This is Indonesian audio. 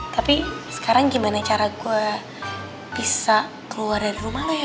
tapi sekarang gimana cara gue bisa keluar dari rumah lah ya